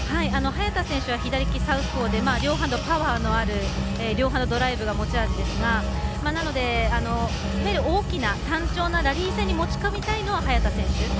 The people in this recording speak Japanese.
早田選手は左利きサウスポーパワーのある両ハンドドライブが持ち味ですがなので、大きな単調なラリー戦に持ち込みたいのは早田選手。